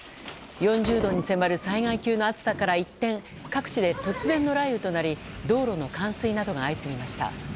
４０度に迫る災害級の暑さから一転各地で突然の雷雨となり道路の冠水などが相次ぎました。